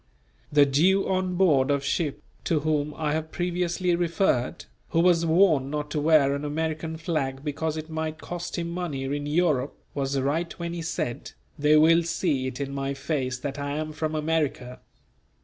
The Jew on board of ship, to whom I have previously referred, who was warned not to wear an American flag because it might cost him money in Europe, was right when he said: "They will see it in mine face that I am from America."